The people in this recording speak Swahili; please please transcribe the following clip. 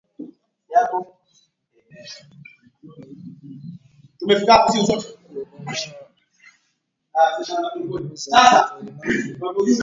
Ukoo kuamua kuangamiza watoto walemavu